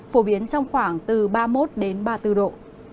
phổ biến trong khoảng ba mươi một ba mươi bốn độ